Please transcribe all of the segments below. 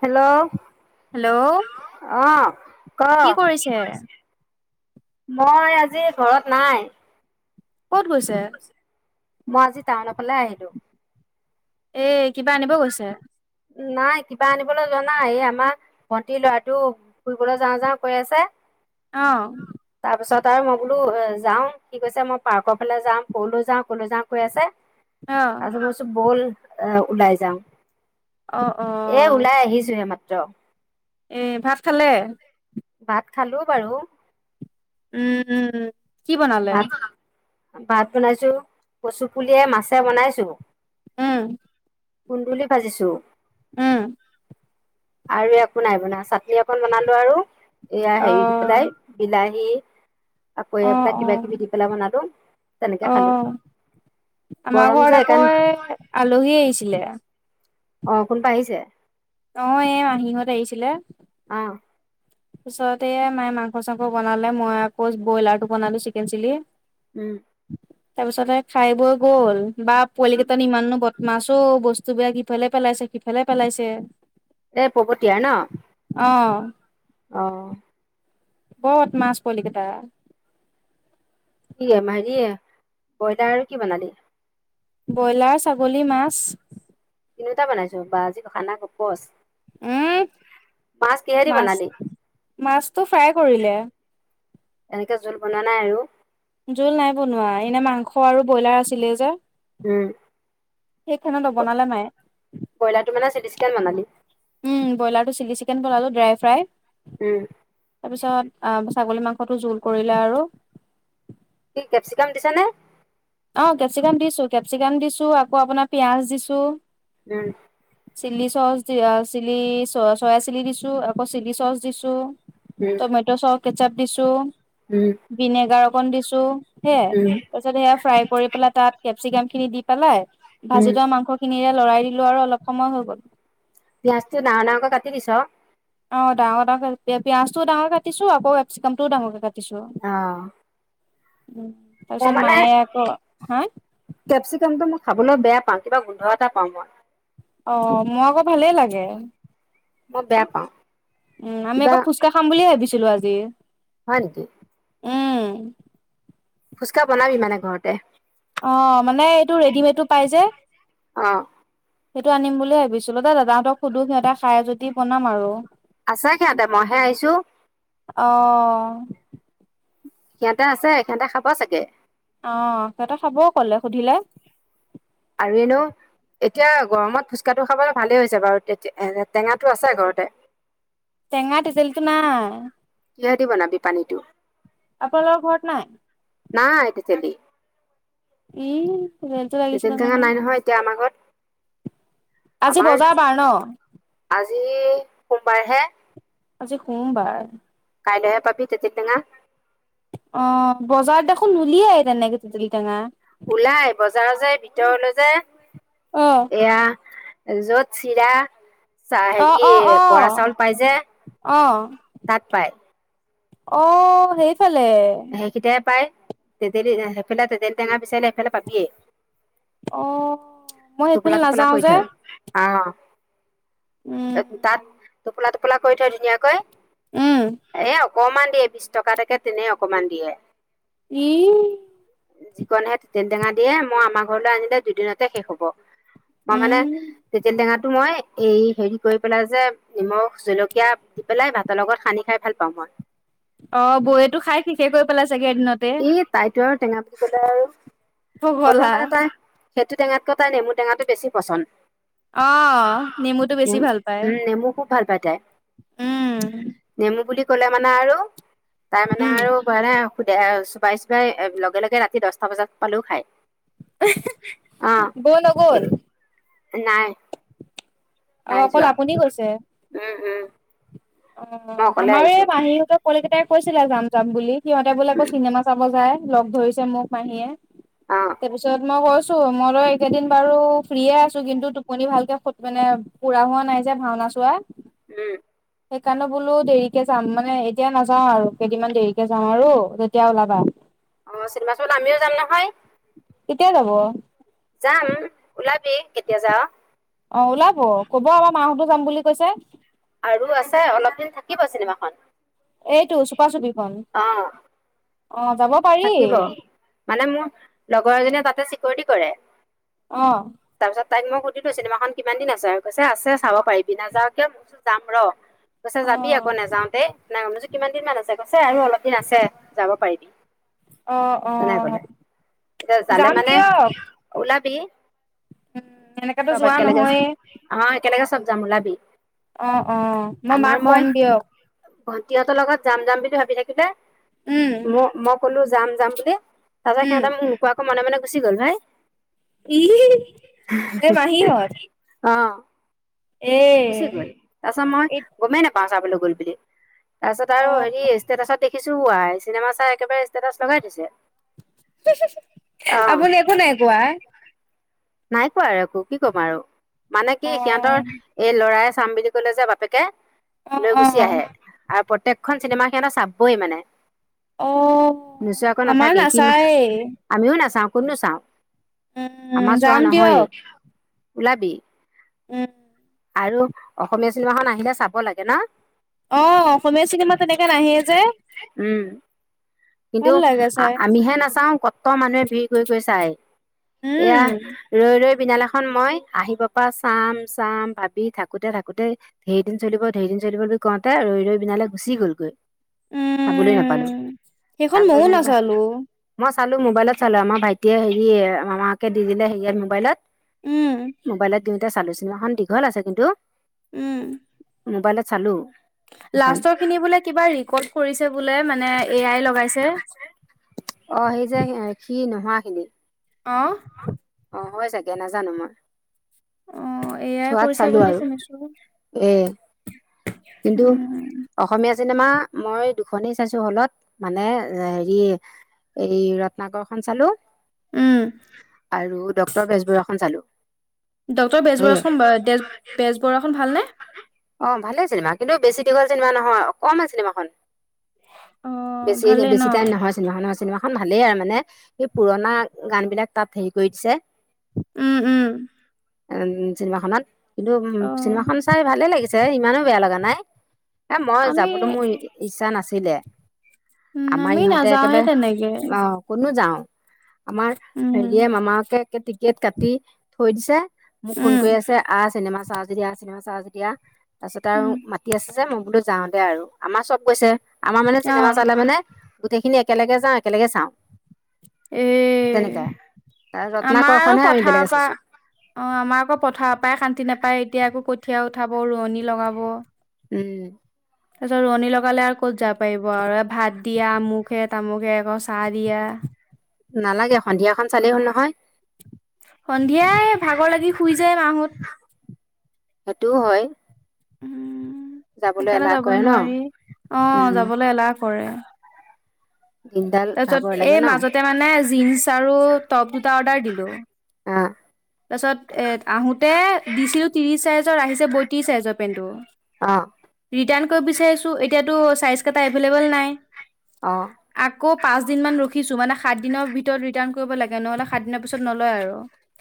Hello. Hello [unintelligible] অ কো কি কৰিছে। মই আজি ঘৰত নাই। ক'ত গৈছে। মই আজি টাউনৰ ফালে আহিলোঁ। এ কিবা আনিব গৈছে। নাই কিবা আনিবলৈ যোৱা নাই এই আমাৰ। ভণ্টিৰ ল'ৰাটো ফুৰিবলৈ যাওঁ, যাওঁ কৈ আছে। অ। তাৰ পিছত আৰু মই বোলো যাওঁ সি কৈছে মই পাৰ্কৰ ফালে যাম ক'লৈ যাওঁ ক'লৈ যাওঁ কৈ আছে। অ [unintelligible] বল ওলাই যাওঁ। অ অ এ ওলাই আহিছোহে মাত্ৰ। এ ভাত খালে। ভাত খালোঁ বাৰু। উম উম উম। কি বনালে ভাত, ভাত বনাইছোঁ কচু পুলিয়ে মাছে বনাইছোঁ। উম। কুন্দুলি ভাজিছো। উম। আৰু একো নাই বনোৱা চাটনি অকণ বনালো আৰু এয়া অ হেৰি দি পেলাই বিলাহী। আকৌ অ এইবিলাক অ কিবা কিবি দি পেলাই বনালো তেনেকে অ খালোঁ। আমাৰ ঘৰত আকৌ এই আলহী আহিছিলে। অ কোনবা আহিছে। অ এই মাহিহঁত আহিছিলে। অ। পিছতে এ মায়ে মাংস চাংস বনালে মই আকৌ ব্ৰইলাৰটো বনালো চিকেন চিলি। উম। তাৰ পিছত খাই বৈ গ'ল বা পোৱালি কেইটা ইমাননো বত মাছ ঔ বস্তুবিলাক ইফালে পেলাইছে সিফালে পেলাইছে। এ পৱতীয়া নহ। অ। অ। বদমাছ পোৱালি কেইটা। কি [unintelligible] ব্ৰইলাৰ আৰু কি বনালি। ব্ৰইলাৰ ছাগলী মাছ। তিনিওটা বনাইছোঁ বা আজি খানা গোপচ। উম বনালি মাছ-মাছটো ফ্ৰাই কৰিলে। এনেকে জোল বনোৱা নাই আৰু। জোল নাই বনোৱা এনে মাংস আৰু ব্ৰইলাৰ আছিলে যে। উম [unintelligible] নোৱনালে মায়ে। ব্ৰইলাৰটো মানে ছিলিচকেন বনালি। উম ব্ৰইলাৰটো চিলি চিকেন বনালো ড্ৰাই ফ্ৰাই। উম। তাৰপিছত ছাগলী মাংসটো জোল কৰিলে আৰু। কি কেপচিকাম দিছা নে। অ কেপচিকাম দিছোঁ কেপচিকাম দিছোঁ আকৌ আপোনাৰ পিয়াজ দিছোঁ। উম। চিলি চচ দি চিলি চ চয়া চিলি দিছোঁ আকৌ চিলি চচ দিছোঁ। হু। টমেট' চ কেচাপ দিছোঁ। উম। ভিনেগাৰ অকন দিছোঁ সেয়া, উম তাৰপিছত সেয়া ফ্ৰাই কৰি পেলাই তাত কেপচিকামখিনি দি পেলাই উম ভাজি থোৱা মাংস খিনিৰে লৰাই দিলোঁ আৰু অলপ সময় হৈ গ'ল। পিয়য়াজটো ডাঙৰ ডাঙৰকৈ কাটি দিছ। অ' ডাঙৰাঙৰ ক পিয়ঁয়াজটো ডাঙৰকে কাটিছোঁ আকৌ কেপচিকামও ডাঙৰকে কাটিছো। অ'। উ, মই তাৰপিছত মানে মায়ে আকৌ, হা? কেপচিকামটো মই খাবলৈ বেয়া পাওঁ, কিবা গোন্ধ এটা পাওঁ মই। অ' মই আকৌ ভালেই লাগে। মই বেয়া পাওঁ। উম, আমি কিবা আকৌ ফুচকাহ খাম বুলিয়ে ভাবিছিলোঁ আজি। হয় নেকি? উম। ফুচকাহ বনাবি মানে ঘৰতে? অ' মানে এইটো ৰেডিমেডটো পাই যে। অ'। সেইটো আনিম বুলিুলিয়ে ভাবিছিলোঁ, দা দাদাাহঁতক সুধো সিহঁতে খাই যদি বনাম আৰু। আছে সিহঁতে, মইহে আহিছোঁ। অ'। সিহঁতে আছে, সিহঁতে খাব চাগে। অ' সিহঁতে খাব ক'লে সুধিলে? আৰু এনেও এতিয়া গৰমত ফুচকাহটো খাবলৈ ভালেই হৈছে বাৰু, তে-টেঙাটো আছে ঘৰতে। টেঙা টেতেলিটো নাই। কিহেদি বনাবি পানীটো? আপোনালোকৰ ঘৰত নাই? নাই টেতেলি। ই। তেঁতেলীটো তেতেলী লাগিছিলে টেঙা নহয়। নাই এতিয়া আমাৰ ঘৰত। আজি আমাৰ বজাৰ বাৰ ন'? আজি সোমবাৰহে। আজি সোমবাৰ? কাইলেহে পাবি তেতিলী টেঙা। অ' বজাৰত দেখোন নোলিয়াই তেনেকে তেঁতেলী টেঙা। ওলাই, বজাৰত যে ভিতৰলৈ যে অ এয়া য'ত চিৰা অ হেৰি অ অ বৰা চাউল পাই যে, অ তাত পায়। অ' সেইফালে। সেইকেইটেহে পাই। সেইফালে তেজলী টেঙা বিচাৰিলে সেইফালে পাবিয়েই। অ মই সেইফালে টোপোলা টোপোলা নাযাও কৰি যে থয়। উম আ, তাত টোপোলা টোপোলা কৰি থয় ধুনীয়াকৈ উম এ, অকমান দিয়ে বিশ টকা, তাকে তেনে অকমান দিয়ে। ই যিকণহে তেঁতেলী টেঙা দিয়ে, মই আমাৰ ঘৰলৈ আনিলে দুদিনতে শেষ হ'ব। মই উম মানে তেঁতেলী টেঙাটো মই এই হেৰি কৰি পেলাই যে নিমখ জলকীয়া দি পেলাই ভাতৰ লগত খানি খাই ভাল পাওঁ মই। অ' বৌয়েতো খাই শেষ কৰি পেলাই চাগে এদিনতে। এই তাইতো আৰু টেঙা বুলি ক'লে আৰু হ'লেও পগলা মানে তাই সেইটো টেঙাতকৈ তাই নেমু টেঙাটো বেছি পচন্দ। অ', নেমুটো বেছি নেমু উম ভালপায়, নেমু খুব ভাল পায় তাই উম। নেমু বুলি ক'লে মানে আৰু তাই উম। [unintelligible] চোবাই, চোবাই লগে, লগে ৰাতি দহটা বজাত পালেও খায়। অ', বৌ নগ'ল নাই। অ নাই অকল যোৱা আপুনি গৈছে উম, উম। অ', মই অ', অকলে আমাৰ এই আহিছো মাহীহঁতৰ পোৱালিকিটাই কৈছিলে যাম, যাম বুলি সিহঁতে বোলে আকৌ চিনেমা চাব যায়। লগ ধৰিছে মোক মাহীয়ে, অ তাৰপিছত মই কৈছো মই এইকেইদিন বাৰু ফ্ৰীয়ে আছো কিন্তু টোপনি ভালকে মানে পুৰা হোৱা নাই যে ভাওনা চোৱা। উম। সেইকাৰণে বোলো দেৰিকে যাম, মানে এতিয়া নাযাওঁ আৰু কেইদিনমান দেৰিকে যাওঁ আৰু তেতিয়া ওলাবা। অ', চিনেমা চাবলৈ আমিও যাম নহয়! কেতিয়া যাব? যাম, ওলাবি কেতিয়া যাৱ। অ', ওলাব ক'ব আমাৰ মাহঁতো যাম বুলি কৈছে। আৰু আছে অলপ দিন থাকিব চিনেমাখন। এইটো চুপা চুপিখন অ অ', যাব পাৰি থাকিব, মানে মোৰ লগৰ এজনীয়ে তাতে চিকৰটি কৰে। অ'। তাৰপিছত তাইক মই সুধিলো চিনেমাখন কিমান দিন আছে, কৈছে আছে চাব পাৰিবি নাযাওঁ কিয়? যাম ৰহ। কৈছে অ যাবি আকৌ নাযাওঁতেই, নাই মই কৈছোঁ কিমান দিন মান আছে গৈছে আৰু অলপ দিন আছে যাব পাৰিবি। অ অ তেনেক'লে, এতিয়া যালে যাম মানে দিয়ক ওলাবি। উম এনেকাতো চব যোৱা একেলগে নহয়ে অ', একেলগে চব যাম ওলাবি। অ', অ', মই মাক কম দিয়ক। ভণ্টিহঁতৰ লগত যাম, যাম বুলি ভাবি থাকোঁতে উম মো-ম যাম, যাম বুলি, তাৰপিছত উম সিহঁতে মোক নোকোৱাকৈ মনে, মনে গুচি গ'ল ভাই। ইহ এ, মাহীহঁত? অ'। এ গুচি গ'ল। তাৰপিছত মই এই গমেই নেপাওঁ চাবলৈ গ'ল বুলি, তাৰপিছত অ আৰু হেৰি ষ্টেটাচত দেখিছোঁ উআই চিনেমা চাই একেবাৰে ষ্টেটাচ লগাই দিছে। আপুনি একো নাই কোৱা অ'। নাই কোৱা আৰু একো, কি ক'ম আৰু! মানে কি অ সিহঁতৰ এই ল'ৰাই চাম বুলি ক'লে যে বাপেকে, অ লৈ অ গুচি আহে। আৰু প্ৰত্যেকখন চিনেমা সিঁহতে চাবই মানে। অ নোচোৱাকৈ আমাৰ নাথাকে, সি মানে নাচায়ে আমিও নাচাওঁ ক'ত নো চাওঁ! উম, আমাৰ চোৱা যাম নহয়েই দিয়ক। ওলাবি। উম। আৰু অসমীয়া চিনেমাখন আহিলে চাব লাগে ন! অ', অসমীয়া চিনেমা তেনেকে নাহেই যে। উম। কিন্তু ভাল লাগে চাই আমিহে নাচাওঁ কত মানুহে ভিৰ কৰি, কৰি চায়, উম এয়া ৰৈ, ৰৈ বিনালেখন মই আহিব পা চাম, চাম ভাবি থাকোঁতে, থাকোঁতে ঢেৰ দিন চলিব, ঢেৰ দিন চলিব বুলি কওঁতে ৰৈ, ৰৈ বিনালৈ গুচি গ'লগৈ, চাবলৈ উম নাপালোঁ। সেইখন তাৰপিছত ময়ো যেনিবা নাচালো মই চালোঁ মোবাইলত চালোঁ আমাৰ ভাইটিয়ে হেৰি মামাকে দি দিলে হেৰিয়াত মোবাইলত। উম মোবাইলত দিওঁতে চালোঁ চিনেমাখন দীঘল আছে কিন্তু। উম মোবাইলত চালো এখন লাষ্টৰ খিনি বুলে কিবা ৰিকল কৰিছে বুলে মানে এ আই লগাইছে অ সেই যে সি নোহোৱা খিনি অঁ অ হয় চাগে নাজানো মই অ এ আই চোৱাত কৰিছে চালো বুলি আৰু শুনিছো এ কিন্ত অসমীয়া চিনেমা মই দুখনেই চাইছো হলত মানে হেৰি এই ৰত্নাকৰখন চালো উম আৰু ডক্টৰ বেজবৰুৱা খন চালো ডক্টৰ সেয়ে বেজবৰুৱা বেজবৰুৱা খন ভালনেে অ ভালেই চিনেমা কিন্তু বেছি দীঘল চিনেমা নহয় অকমান চিনেমাখন অ বেছি ভালেই ন বেছি টাইম নহয় নহয় নহয় চিনেমা খন ভালেই আৰু মানে সেই পুৰণা গান বিলাক তাত হেৰি কৰি দিছে উম উম উম চিনেমা খনত কিন্তু উ অ চিনেমা খন চাই ভালে লাগিছে ইমানো বেয়া লগা নাই এ মই আমি যাবলৈ মোৰ ইচ্ছা নাছিলে উম আমাৰ আমি ইহঁতে নাযাওৱে একেবাৰে তেনেকে অ কোনো যাও আমাৰ উম হেৰিয়ে মামাকে একে টিকেট কাটি থৈ দিছে মোক ফোন উম কৰি আছে আহ চিনেমা চাঅ যদি আহ চিনেমা চা যদি আ তাৰ উম মাতি আছে যে মই বোলো যাও দে আৰু আমাৰ চব গৈছে আমাৰ মানে অ চিনেমা চালে মানে গোটেইখিনি একেলগে যাও একেলগে চাওঁ এ তেনেকে তাৰ আমাৰ আৰু ৰত্নাকৰখনহে আমি বেলেগে পথাৰৰ পৰা চাইছো অ আমাৰ আকৌ পথাৰ পৰাাই শান্তি নাপায় এতিয়া আকৌ কঠীয়া উঠাব ৰোৱনী লগাব উম তাৰপিছত ৰোৱনী লগালে আৰু ক'ত যাব পাৰিব আৰু ভাত দিয়া আমুকে তামুখে আকৌ চাহ দিয়া নালাগে সন্ধিয়াখন চালেই হ'ল নহয় সন্ধিয়াই ভাগৰ লাগি শুই যায় মাহত হেইটোও হয় উম যাবলৈ সেইকাৰণে এলাহ কৰে যাবই ন নোৱাৰি অ উম যাবলৈ এলাহ কৰে দিনডাল ভাগৰ তাৰপিছত লাগে এই ন মাজতে মানে জীন্চ আৰু টপ দুটা অৰ্ডাৰ দিলো অ তাৰপিছত এ আহোতে দিছিলো ত্ৰিশ চাইজৰ আহিছে বত্ৰিশ চাইজৰ পেণ্টটো অ ৰিটাৰ্ণ কৰিব বিচাৰিছোঁ এতিয়াতো চাইজ কেইটা এভেইলেবল নাই অ আকৌ পাঁচদিন মমান ৰখিছো মানে সাত দিনৰ ভিতৰত ৰিটাৰ্ণ কৰিব লাগে নহলে সাত দিনৰ পিছত নলয় আৰু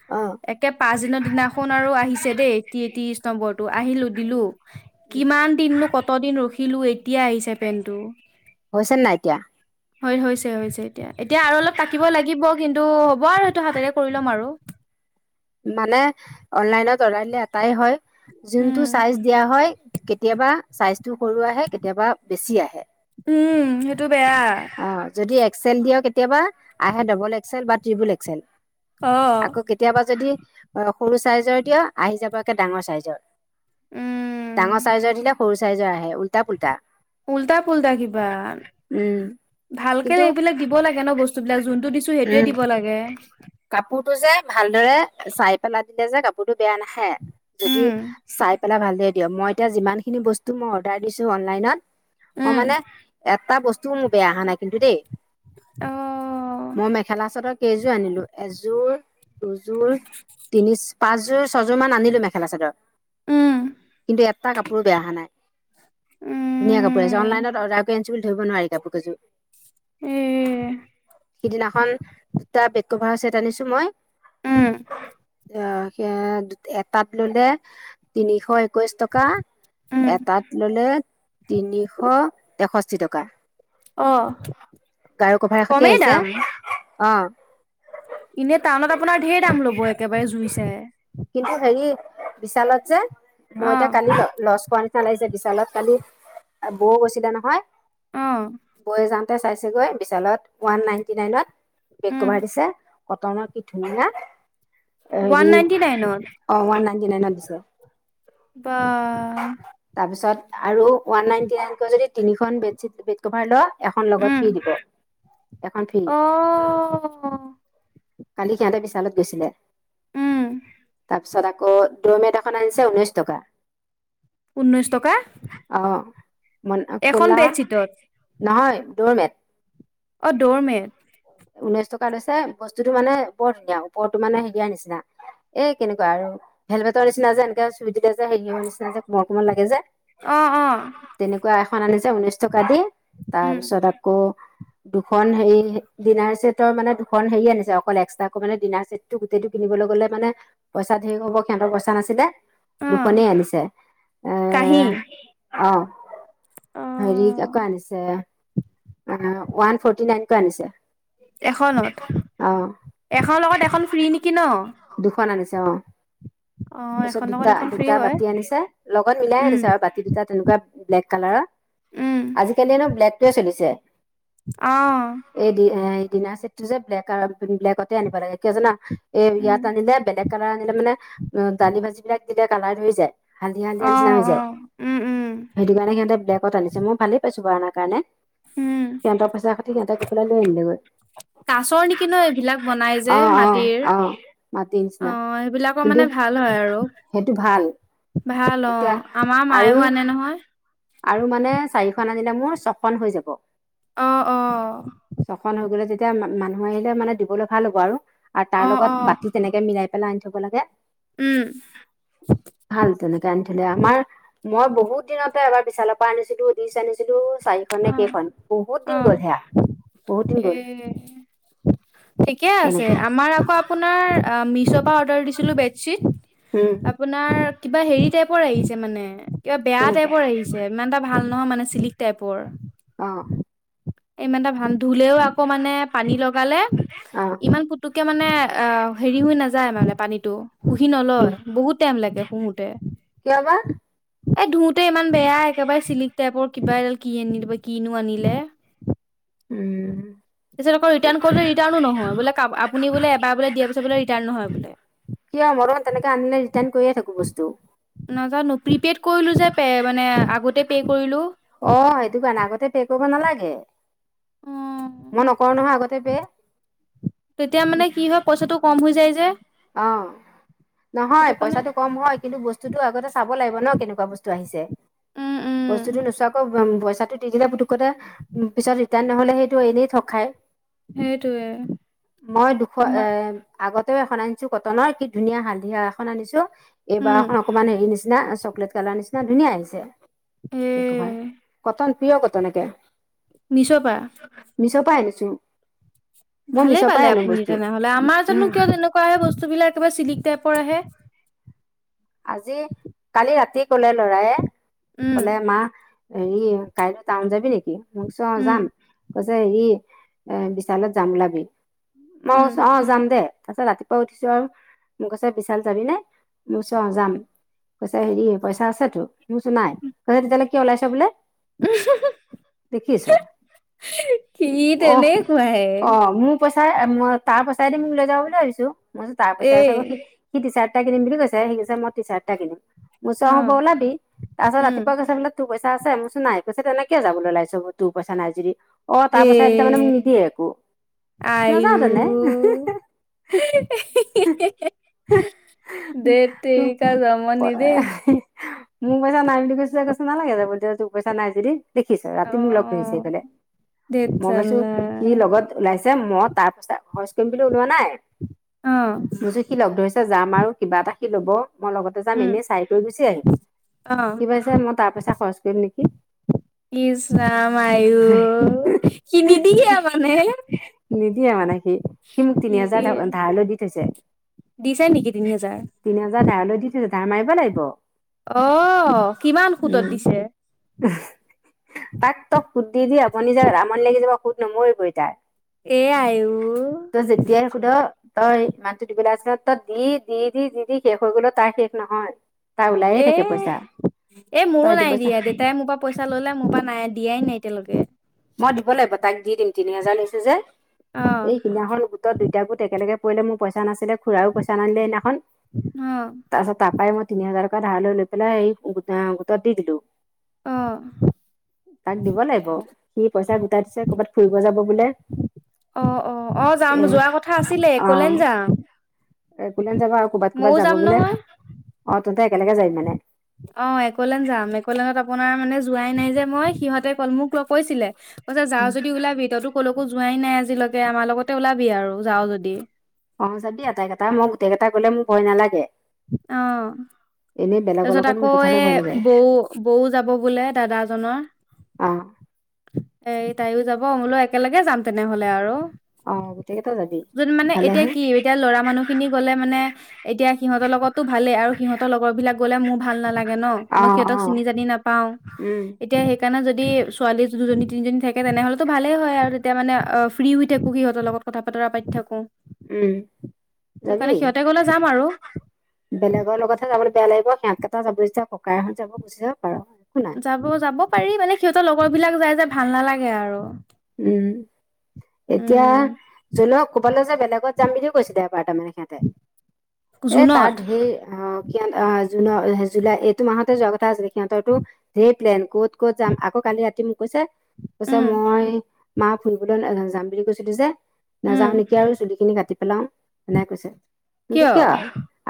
অ একে পাঁচদিনৰ দিনাখন আৰু আহিছে দেই টিট্ৰিছ নম্বৰটো আহিলোঁ দিলোঁ উম কিমান দিননো কত দিন ৰখিলো এতিয়া আহিছে পেণ্টটো হয়চেনে নাই এতিয়া হয় হৈছে হৈছে এতিয়া এতিয়া আৰু অলপ কাটিব লাগিব কিন্তু হ'ব আৰু সেইটো হাতেৰে কৰি ল'ম আৰু মানে অনলাইনত অদাৰ দিলে হয় যোনটো উম চাইচ দিয়া হয় কেতিয়াবা টো সৰু আহে কেতিয়াবা বেছি আহে উম সেইটো বেয়া অ যদি এক্সেল দিয়ে কেতিয়াবা আহে ডাবল এক্সেল বা ত্ৰিপল এক্সেল অ আকৌ কেতিয়াবা যদি সৰু চাইজৰ দিয়ে আহি যাব একে ডাঙৰ চাইজৰ ডাঙৰ উম চাইজৰ দিলে সৰু চাইজৰ আহে উল্টা পুল্টা উল্টা পুল্টা কিবা উম ভালকে কিন্তু এইবিলাক দিব লাগে ন বস্তুবিলাক যোনটো দিছো সেইটোৱে উম দিব লাগে কাপোৰটো যে ভালদৰে চাই পেলাই দিলে যে কাপোৰতটো বেয়া নাহে যদি উম চাই পেলাই ভালে দিয় মই এতিয়া যিমানখিনি বস্তু মই অৰ্ডাৰ দিছো অনলাইনত মই উম মানে এটা বস্তুও মোৰ বেয়া অহা নাই কিন্তু দেই অ মই মেখেলা চাদৰ কেইযোৰ আনিলো এযোৰ দুযোৰ তিনি পাঁচযোৰ ছযোৰ মান আনিলো মেখেলা চাদৰ উম কিন্তু এটা কাপোৰ বে অহা নাই ধুনীয়া কাপোৰ আছে উম অনলাইনত অৰ্ডাৰ কৰি আনিছো বুলি ধৰিব নোৱাৰি কাপোৰ কযোৰ উ সিদিনাখন দুটা বেড কভাৰৰ চছেট আনিছো মই উম অ সেই এটাত ললে তিনিশ একৈশ টকা উম এটাত ল'লে তিনিশ তেষষ্ঠি টকা অঁ গাৰু কভাৰ এ খতি আহিছে অ এনে টাউনত আপোনাৰ ঢেৰ দাম ল'ব একেবাৰে জুই চাই কিন্তু হেৰি বিশালত যে মই অ এতিয়া কালি লচ নিাগিছে বিশালত কালি বৌ গৈছিলে নহয় অ বৈ যাওঁতে চাইছেগৈ বিশালত ওৱান নাইনটি নাইনত বেক উম কভাৰ দিছে কটনৰ কি ধুনীয়া ওৱান হেৰি নাইনটি নাইনত অ ওৱান নাইনটি নাইনত দিছে বাৰ তাৰ পিছত আৰু ওৱান নাইনটি নাইনকৈ যদি তিনিখন বেড্বীট বেড কভাৰ ল এখন লগত উম ফ্ৰী দিব এখন ফ্ৰী অ কালি সিহঁতে বিশালত গৈছিলে উম তাৰপিছত আকৌ ড্ৰ'মেট এখন আনিছে ঊনৈশ টকা ঊনৈছ টকা অ ম এখন কলা বেডশ্বীটত নহয় দৌৰমট অ দৌৰমেট ঊনৈশ টকা লৈছে বস্তুটো মানে বৰ ধুনীয়া ওপৰতটো মানেৰিয়াৰ নিচিনা এ কেনেকুৱা আৰু হেলমেটৰ নিচিনা যে এনেকে চুই দিলে যে হেৰিয়ৰ নিচিনা যে কোমৰ কোমৰ লাগে যে অ অ তেনেকুৱা এখন আনিছে ঊনৈশ টকা দি উম তাৰপিছত আকৌ দুখন হে ডিনাৰ চছেটৰ মানে দুখন হেৰি আনিছে অকল এক্সট্ৰাকৈ মানে ডিনাৰ চেটটো গোটেইটো কিনিবলৈ গ'লে মানে পইচা ঢেৰ হব সিহঁতৰ পইচা নাছিলে অ দুখনেই আনিছে কাঁহী এ অ অ হেৰি কৌ আনিছে অ ওৱান ফৰ্টি নাইন ক আনিছে এখনত অ এখন লগত এখন ফ্ৰী নেকি ন দুখন আনিছে অ অ তাৰপিছত এখন লগত দুটা এখন ফ্ৰী দুটা হয় বাতি আনিছে লগত মিলাই উম আনিছে আৰু বাতি দুটা তেনেকুৱা ব্লেক কালাৰৰ উম আজিকালি ন ব্লেকটোৱে চলিছে অ এই দি এই দিনাৰ চছেটটো যে ব্লেক আৰু ব্লেকতে আনিব লাগে কিয় জানা এ উম ইয়াত আনিলে বেলেগ কালাৰ আনিলে মানে দালি ভাজি বিলাক দিলে কালাৰ ধৰি যায় হালধিয়া অ হালধিয়া নিচিনা হৈ অ যায় উম উম সেইটো কাৰণে সিহঁতে বেল্কত আনিছেই ভালেই পাইছো বাৰু আনা কাৰণে উম সিহঁতৰ পইচা সাতি সিহঁতে গ পেলাই লৈ আনিলেগৈ কাছৰ নেকি ন এইবিলাক বনাই যে অ অ মাটিৰ অ মাটিৰ নিচিনা অ সেইবিলাকৰ কিন্তু মানে ভাল ভাল হয় আৰু সেইটো ভাল ভাল অ এতিয়া আমাৰ আৰু মায়েও আনে নহয় আৰু মানে চাৰিখন আনিলে মোৰ ছখন হৈ যাব অ অ ছখন হৈ গলে তেতিয়া মানুহ আহিলে মানে দিবলৈ ভাল হ'ব আৰু আৰু তাৰ অ অ লগত বাতি তেনেকে মিলাই পেলাই আনি থব লাগে উম ভাল তেনেকে আনি থলে আমাৰ মই বহুত দিনতে এবাৰ বিশালৰ পৰা আনিছিলো ডিচ আনিছিলো চাৰি খন অ নে কেইখন বহুত অ দিন গ'ল সেয়া বহুত দিন এ গ'ল ঠিকে আছে তেনেকে আমাৰ আকৌ আপোনাৰ মিছ' পৰা অৰ্ডাৰ দিছিলো উম বেডশ্বীট আপোনাৰ কিবা হেৰি টাইপৰ আহিছে মানে কিবা বেয়া তেনেকুৱা টাইপৰ আহিছে ইমান এটা ভাল নহয় মানে চিল্ক টাইপৰ অ ইমান এটা ভাল ধুলেও আকৌ মানে পানী লগালে অ ইমান তাকে মানে অ হেৰি হৈ নাযায় মানে পানীতটো শুহি নলয় বহুত টাইম লাগে শুহতে কিয় বা এই ধুওতে ইমান বেয়া একেবাৰে চিল্ক টাইপৰ কিবা এডাল কি আনিব কিনো আনিলে উম পিছ আকৌ ৰিট্ৰাৰণ ৰিটা্ৰণ নহয় বোলে আপু বো এবাৰ বলে দিয়াপিছত বোলে ৰিটাণো নহয় বোলে কিয় মই দেখুন তেনেকে আনিলে ৰিটাণ কৰিয়ে থাকো বস্তু নাজানো প্ৰিপেড কৰিলো যে পে মানে আগতে পে' কৰিলো অ সেইটো কাৰণে আগতে পে কৰিব নালাগে অ মই নকৰো নহয় আগতে পে তেতিয়া মানে কি হয় পইচাটো কম হৈ যায় যে অ নহয় সেইটো কাৰণে পইচাটো কম হয় কিন্তু বস্তুটো আগতে চাব লাগিব ন কেনেকুৱা বস্তু আহিছে উম উম বস্তুতো নোচোৱাকৈ পইচাটো দি দিলে পিছত ৰিটাৰ্ণ নহলে সেইটো এনেই থক খায় সেইটোৱে মই দুশ আমাৰ এ আগতেও এখন আনিছো কটনৰ কি ধুনীয়া হালধিয়া এখন আনিছো উম এইবাৰখন অকমান হেৰি নিচিনা চকলেট কালাৰ নিচিনা ধুনীয়া আহিছে এ একে ভাই কতন প্ৰিয়ৰ কতনকে এইটো মিছৰ পৰা মিছৰ পৰাই আনিছো মই ভালে মিছৰ পৰাই পালে আনো আপুনি বস্তু তেনেহলে উম আমাৰ জানো উম কিয় তেনেকুৱা আহে বস্তু বিলাক একেবাৰে চিলিক টাইপৰ আহে আজি কালি ৰাতি কলে লৰায় উম কলে মা হেৰি কাইলৈ টাউন যাবি নেকি মই কচো উম যাম কৈছে হেৰি এ বিশালত যাম ওলাবি মই উম অ যাম দে তাৰিছত ৰাতিপুৱ উঠিছো আৰু ম কৈছোঁ বিশান যাবি নে অ যাম কৈছ হেৰি পইচা আছেতো মোৰো নাই কৈছে তেতিয়ালে কি ওলাইছ বোলে দেখিছ সি অ তেনেকুৱাই অ মো পইচাই ম তাৰ পইচাই দি মোক লৈ যাব বুলি ভাবিছো মই তাৰ এ পইচাই আছে সি টি চাৰ্ট এটা কিনিম বুলি কৈছে সি কৈছে মই টি চাৰ্ট এটা কিনিম মোৰ চো অ ওলাবি তাৰপিছত ৰাতিপুৱা উম গৈছে বোলে তোই পইচা আছে মইকচো নাই কৈছে তেনেকে যাবলৈ ওলাইছো তোৰ পইচা নাই যদি অ তাৰ পইচাইদি তাৰমানে মোক নিদিয়ে একো নাযাওঁ আই‌য়ু তেনে ধেত তেৰিকা জমনি দেই মোৰ পইচা নাই বুলি কৈছ যে কৈ নালাগে যাব তোৰ পইচা নাই যদি দেখিছ অ ৰাতি মোক লগ ধৰিছে সফলে ধেত মই ভাবিছো চাল্লা সি লগত ওলাইছে মই তাৰ পিছত খৰচ কৰিম বুলি ওলোৱা নাই মই অ সি লগ ধৰিছে যাম আৰু কিবা এটা সি ল'ব মই লগ ত যাম উম এনেই চাই কৰি গুচি আহিম অ সি ভাৱিছে মই তাৰ পইচা খৰচ কৰিম নেকি ইছ ৰাম আইয়ু সি নিদিয়ে মানে নিদিয়ে মানে সি সি মোক তিনি হাজাৰ নিদিয়ে ধাৰৈ দি থৈছে দিছে নেকি তিনি হেজাৰ তিনি হাজাৰ ধাৰলৈ দি থৈছে ধাৰ মাৰিব লাগিব অ কিমান সোতত উম দিছে [unintelligible] তাক তোক সুধ দি দি [unintelligible] আমনি লাগি যাব সুধ নমৰিব এ তাই এ আইও ত যেতিয়াই সোদ- তই ইমানতটো দিবলৈ আছিল তই দি দি দি যি দি শেষ হৈ গল তাৰ শেষ নহয় তাৰ ওলায়ে এ থাকে পইচা এ মোৰো তই এইটো নাই পইচা দিয়া দেউতাই মোৰ পৰা পইচা ললে মোৰ পৰা নাই দিয়াই নাই এতিয়ালকে মই দিব লাগিব তাক দি দিম তিনি হাজাৰ লৈছো যে অ এইদিনাখন তত দুইটা গোট একেলগে পৰিলে মোৰ পইচা নাছিলে খুৰাইও পইচা নানিলে সদিনাখন অ তাৰ পাছত তাৰ পৰাই মই তিনি হাজাৰ টকা ধাৰালৈ লৈ পেলাই এই গোটত দি দিলো অঁ তাক দিব লাগিব সি পইচা গোটাই দিছে কৰ'বাত ফুৰিব যাব বোলে অ অ অ যাম এ যোৱা কথা আছিলে একলেন যাম একলেন যাবা আৰু ক'বাত ময়ও ক'বাত যাব যাম বোলে নহয় অ তহতে একেলগে যাবি মানে অ একলেন যাম একলেনত আপোনাৰ মানে যোৱাই নাই যে মই সিহঁতে কল মোক লগ কৈছিলে যাও যদি ওলাবি তইতো ক'লৈকো যোৱাই নাই আজিলৈ আমাৰ লগতে ওলাবি আৰু যাও যদি অ যাবি আটাই কেইটা মই গোটেইকেইটা গলে মোৰ ভয় নালাগে অ এনেই বেলেগৰ তাৰপিছত লগত মোৰ আকৌ পঠালে ভয় এ লাগে বৌ বৌ যাব বোলে দাদাজনৰ অ এই তাইও যাব মোলৈ একেলগে যাম তেনেহলে আৰু অ গোটেই কেইটা যাবি যদি মানে এতিয়া ভালেহে কি এতিয়া ল'ৰা মানুহ খিনি গ'লে মানে এতিয়া সিহঁতৰ লগতো ভালেই আৰু সিহঁতৰ লগৰ বিলাক গলে মোৰ ভাল নালাগে ন অ মই অ সিহঁতক চিনি জানি নাপাও উম তেতিয়া সেইকাৰণে যদি ছোৱালী দুজনী তিনিজনী থাকে তেনেহ'লেতো ভালেই হয় আৰু তেতিয়া মানে ফ্ৰী হৈ থাকো সহঁতৰ লগতথা বতৰা পাতি থাকো উম সেইটো কাৰণে যাবি সিহঁতে গলে যাম আৰু বেলেগৰ লগতে যাবলৈ বেয়া লাগ সিহঁকেইটা যাবুিাওঁকহঁত যাবুিাওক আৰু যাব যাব পাৰি মানে সিহঁতৰ লগৰ বিলাক যাই যে ভাল নালাগে আৰু উম এতিয়া উম জোনও ক'বালৈ যে বেলেগত যাম বুলিও কৈছিলে এবাৰ তাৰমানান সিহঁতে এ তাৰ জুনত ধেৰ আহ সিহঁত আহ জুনৰ জুলাই এইটো মাহতে যোৱা কথা আছিলে সিহঁতৰো থেই প্লেন ক'ত ক'ত যাম আকৌ কালি ৰাতি কৈছে কৈছে উম মই মা ফুৰিবলৈ যাম বুলি কৈছোো যে উম নাযাও নেকি আৰু চুলি খিনি কাটি পেলাও এনোই কৈছে যে কিয়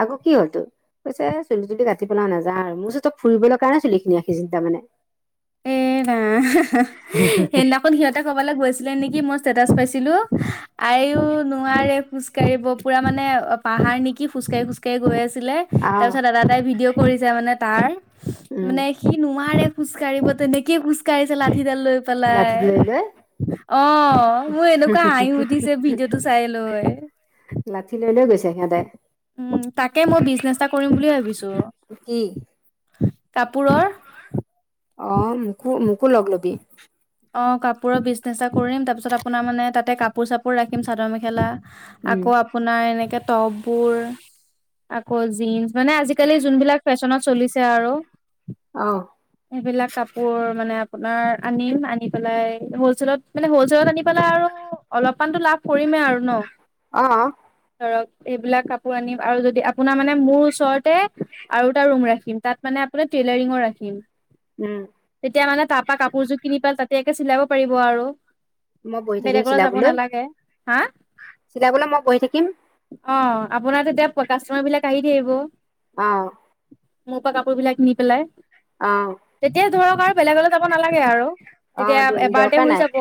আকৌ কি হ'ল তো কৈছে চুলি তুলি কাটি পেলা নাযা আৰু মোৰ চত ফুৰিবলৈ কাৰণে চুলিিনি আি চিন্ত মানে এৰা এ সিহঁতে ক'বালৈ গৈছিলে নেকি মই ষ্টেটাচ পাইছিলো আইও নোৱাৰে খো খোজকাঢ়িিব পুৰা মানে অ পাহাৰ নেকি খোজকাঢ়ি খোজকাঢ় গৈ আছিলে তাৰ আহ পিছত দাদা তাই ভিডিঅ' কৰিছে মানে তাৰ উম মানে সি নোৱাৰে খু খোজ কাঢ়িব তেনেকেই খোজ কাঢ়িছে লাঠিডাল লৈ পেলাই লাঠি লৈ লৈ অ মোৰ এনেকুৱা হাঁহি উঠিছে ভিডিঅ'টো চাই লৈ লাঠি লৈ লৈ গৈছে সিহঁতে উম তাকে মই বিজনেচ এটা কৰিম বুলি ভাবিছো। কি কাপোৰৰ অ মোকো মোকো লগ ল'বি অ কাপোৰৰ বিজনেচ এটা কৰিম তাৰপিছত আপোনাৰ মানে তাতে কাপোৰ চাপোৰ ৰাখিম চাদৰ মেখেলা উম আকৌ আপোনাৰ এনেকে টপবোৰ আকৌ জীঞ্চ মানে আজিকালি যোনবিলাক ফেশ্বনত চলিছে আৰু অ'। সেইবিলাক কাপোৰ মানে আপোনাৰ আনিম আনি পেলাই হলচেলত মানে হল হলচেলত আনি পেলাই আৰু অলপমান টো লাভ কৰিমেই আৰু ন অ'। ধৰক এইবিলাক কাপোৰ আনিম আৰু যদি আপোনাৰ মানে মোৰ ওচৰতে আৰু এটা ৰুম ৰাখিম তাত মানে আপোনাৰ টেইলাৰিঙও ৰাখিম উম। তেতিয়া মানে তাৰপা কাপোৰযোৰ কিনি পেলায় তাতিয়াকে চিলাব পাৰিব আৰু মই বহি থাকিম বেলেগলৈ যাব চিলাবলৈ, নালাগে হা চিলাবলৈ মই বহি থাকিম অ আপোনাৰ তেতিয়া কাষ্টমাৰবিলাক আহি থাকিব অ' মোৰপা কাপোৰ বিলাক নি পেলাই অ তেতিয়া ধৰক আৰু বেলেগলৈ যাব নালাগে আৰু অ তেতিয়া এবাৰতে দৰকাৰ হৈ নাই যাব।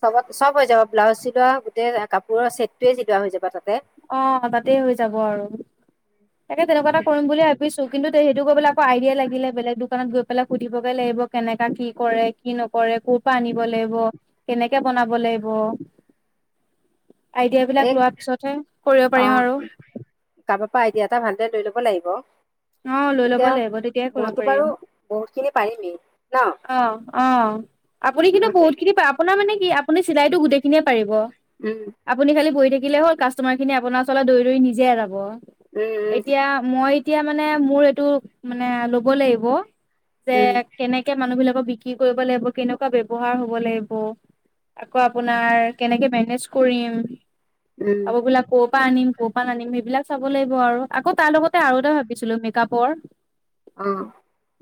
চবত চব হৈ যাব ব্লাউজ চিলোৱা গোটেই কাপোৰৰ ছেটটোৱে চিলোৱা হৈ যাব তাতে অ তাতে হৈ যাব আৰু তাকে তেনেকুৱা এটা কৰিম বুলি ভাবি বুজিছো কিন্তু সেইটো কৰিবলৈ আকৌ আইডিয়া লাগিলে বেলেগ দোকানত গৈ পেলাই সুধিবগে লাগিব কেনেকা কি কৰে কি নকৰে ক'ৰ পৰা আনিব লাগিব কেনেকে বনাব লাগিব [inaudible] আইডিয়াবিলাক এক লোৱা পিছতহে কৰিব অ পাৰিম আৰু কাৰবাপা আইডিয়া এটা ভালদৰে লৈ লব লাগিব অ লৈ ল'ব এতিয়া লাগিব তেতিয়াহে কৰিব মইতো বাৰু পাৰিম বহুত খিনি পাৰিমে অ অ আপুনি কিন্তু মইতো বহুত খিনি পাৰে আপোনাৰ মানে কি আপুনি চিলাইতো গোটেইখিনিয়ে পাৰিব উম' আপুনি খালি বহি থাকিলে হ'ল কাষ্টমাৰ খিনি আপোনাৰ ওচৰলে দৌৰি দৌৰি নিজে যাব। উম এতিয়া মই এতিয়া মানে মোৰ এইটো মানে লব লাগিব যে উম কেনেক -কে মানুহ বিলাকক বিক্ৰী কৰিব লাগিব কেনেকুৱা ব্যৱহাৰ হ'ব লাগিব। আকৌ আপোনাৰ কেনেকে মেনেজ কৰিম উম কাপোৰবিলাক ক'ৰ ক'ৰপা আনিম ক'ৰপা নানিম সেইবিলাক চাব লাগিব আৰু আকৌ তাৰ লগতে আৰু এটা ভাবিছিলো মেকআপৰ অ।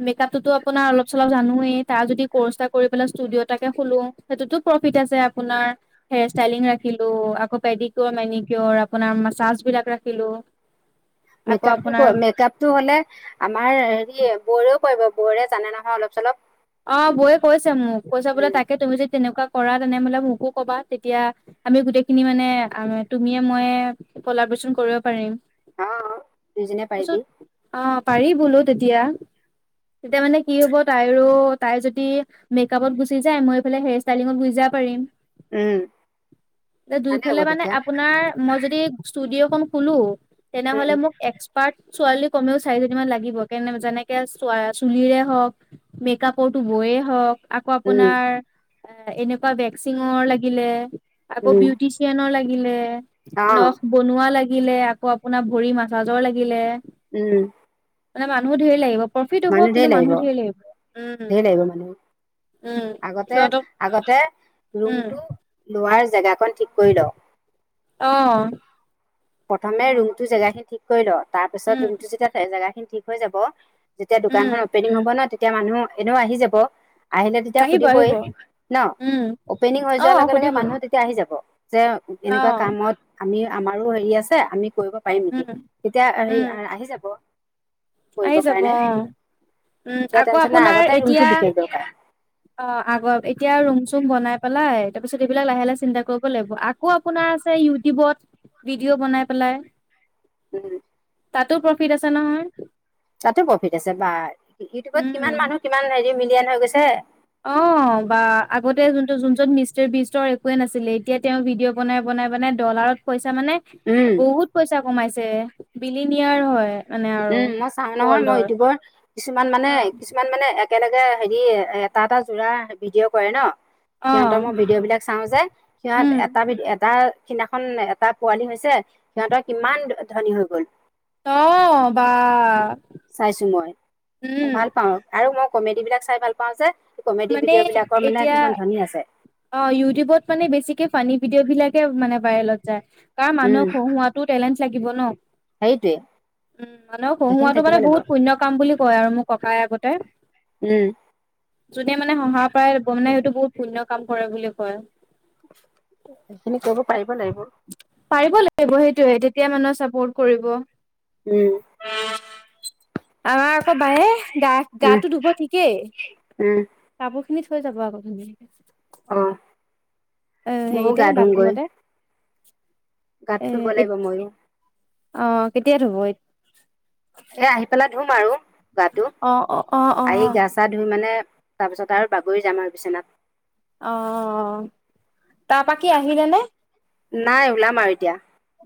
মেকআপটোতো আপোনাৰ অলপ -চলপ জানোয়েই তাৰ যদি কৰ্চ এটা কৰি পেলাই ষ্টুডিঅ' এটাকে খোলো সেইটোতো প্ৰফিট আছে আপোনাৰ হেয়াৰ ষ্টাইলিং ৰাখিলো আকৌ পেডিকিয়ৰ, মেনিকিয়ৰ আপোনাৰ মাছাজ বিলাক ৰাখিলো আকৌ মেকআপটো আপোনাৰ মেকআপ -টো হলে আমাৰ হেৰি বৌৱেৰে পাৰিব বৌৱেৰে জানে নহয় অলপ চলপ অ বৌয়ে কৈছে মোক কৈছে বোলে উম তাকে তুমি যদি তেনেকুৱা কৰা তেনে বোলে মোকো কবা তেতিয়া আমি গোটেইখিনি মানে তুমিয়ে মইয়ে কলাব্ৰেচন কৰিব পাৰিম। অ দুইজনিয়ে তাৰপিছত পাৰিবি। অ পাৰি বোলো তেতিয়া তেতিয়া মানে কি হ'ব তাইৰো তাই যদি মেকআপত গুচি যায় মই এইফালে হেয়াৰ ষ্টাইলিঙত গুচি যাব পাৰিম। উম এ ভালে হ'ব দুইফালে মানে তেতিয়া আপোনাৰ মই যদি ষ্টুডিঅ খলো উম তেনেহলে মোক এক্সপাৰ্ত ছোৱালী কমেও চাৰিজনমান লাগিব কেনে যেনেকে চুলিৰে হওঁক মেকআপ বৌটো বয়ে হওক আকৌ উম আপোনাৰ এনেকুৱা ভেকচিঙৰ লাগিলে আকৌ উম বিউটিচিয়ানৰ লাগিলে অ নখ বনোৱা লাগিলে আকৌ আপোনাৰ ভৰি মাছাজৰ লাগিলে উম মানে মানুহ ধেৰ লাগিব প্ৰফিট হ'ব মানুহ ধেৰ কিন্তু লাগিব মানুহো ধেৰ লাগিব উম ধেৰ লাগিব মানে উম আগতে সিহঁতক আগতে উম ৰুমটো লোৱাৰ জেগাকন ঠিক কৰি ল অ প্ৰথমে ৰুমটো জেগাখিনি ঠিক কৰি ল তাৰপিছত উম ৰুমটো যেতিয়া থ জেগাখিনি ঠিক হৈ যাব যেতিয়া উম দোকানখন অপেনিং হব ন তেতিয়া মানুহ এনেও আহি যাব আহিলে তেতিয়া আহিব সুধিবই আহিব ন উম অপেনিং হৈ অ যোৱাৰ লগে লগে সুধিবই মানুহ আহি যাব যে এনেকুৱা অ', কামত আমি আমাৰো হেৰি আছে আমি কৰিব পাৰিম নেকি উম, তেতিয়া হে উম, আহি যাব আহি কৰিবৰ যাব কাৰণে অ উম তেতিয়া আকৌ টেনচন নাই আপোনাৰ আগতে ৰুমটো এতিয়া বিশেষ দৰকাৰ অ আগত এতিয়া ৰুম চুম বনাই পেলাই তাৰপিছত এইবিলাক লাহে লাহে চিন্তা কৰিব লাগিব আগ আকৌ আপোনাৰ আছে ইউটিউবত ভিডিঅ' বনাই পেলাই উম তাতো প্ৰফিট আছে নহয় তাতো প্ৰফিট আছে বা ইউটিউবত কিমান উম। মানুহ কিমান হেৰি মিলিয়ন হৈ গৈছে অ অ বা আগতে যোনটো যোন মিষ্টাৰ বিষ্টৰ একোৱে নাছিলে এতিয়া তেওঁ ভিডিঅ' বনাই বনাই মানে ডলাৰত পইচা মানে উম বহুত পইচা কমাইছে বিলি নিয়াৰ হয় মানে আৰু উম মই চাও নহয় মই ৱৰ্ল্ডৰ ইউটিউবৰ কিছুমান মানে অ', কিছুমান মানে একেলগে হেৰি এটা এটা যোৰা ভিডিঅ' কৰে ন সিহঁতৰ অ', মই ভিডিঅ' বিলাক চাওঁ যে উম, সিহঁত এটা এটা সিদিনাখন এটা পোৱালি হৈছে সিহঁতৰ কিমান ধনী হৈ গল অ বা চাইছো মই উম, ভাল পাওঁ আৰু মই কমেডী বিলাক চাই ভাল পাওঁ যে কমেডি মানে ভিডিঅ' বিলাকৰ মানে এতিয়া কিছুমান ধনী আছে অ ইউটিউবত মানে বেছিকে ফানী ভিডিঅ' বিলাকে মানে ভাইৰেলত যায় কাৰণ উম মানুহক হোহোৱাত সেইটোৱে সেইখিনি থাকিব লাগিব [unintelligible] কাম বুলি কয় আৰু মোৰ ককাই আগতে উম যোনে মানে অহাৰ পৰাই লব মানে সেইটো বহুত পূন্য কাম কৰে বুলি কয় সেইখিনি কৰিব পাৰিব লাগিব পাৰিব লাগিব সেইটোয়ে তেতিয়া মানুহে চাপৰ্ট কৰিব উম আমাৰ আকৌ বায়ে গা উম গাটো ধুব ঠিকেই উম কাপোৰ খিনি থৈ যাব আকৌ ধুনীয়াকে অ অ ময়ো হেৰিতে গা ধুমগৈ বাথৰুমতে গাটো এ ধুব লাগিব এত- ময়ো অ কেতিয়া ধব এ আহি পেলাই ধুম আৰু গাটো অ', অ', অ', অ', আহি অ', গা চা ধুই মানে তাৰপিছত আৰু বাগৰি যাম আৰু বিচনাত অ তাৰাপা কি আহিলে নে নাই ওলাম আৰু এতিয়া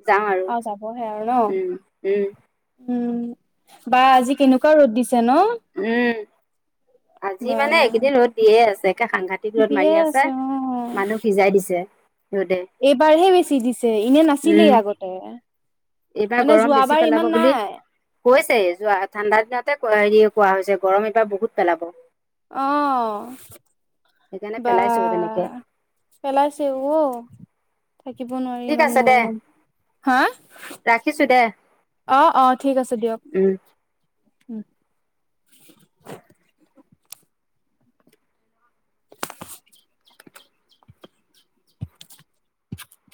যাম আৰু অ যাবহে আৰু ন উম উম উম বা আজি কেনেকুৱা ৰ'দ দিছে ন উম আজি বা মানে এইকেইদিন ৰ'দ দিয়ে আছে একে সাংঘাতিক ৰদ দিয়ে মাৰি আছে অ মানুহ সিজাই দিছে ৰ'দে এইবাৰহে বেছি দিছে এনে নাছিলেই উম, আগতে মানে যোৱাবাৰ ইমান নাই কৈছেই যোৱা ঠাণ্ডা দিনতে হেৰি কোৱা হৈছে গৰম এইবাৰ বহুত পেলাব অহ সেইকাৰণে বা পেলাইছো তেনেকে পেলাইছেও থাকিব নোৱাৰি ঠিক ইমান আছে দে গৰম হা ৰাখিছো দে অ অ ঠিক আছে দিয়ক উম। [unintelligible]